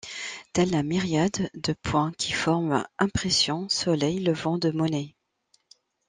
Telle la myriade de points qui forment Impression, Soleil Levant de Monet.